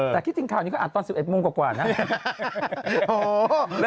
แต่คิดถึงข้าวนี้ก็อ่านตอน๑๑โมงกว่านะ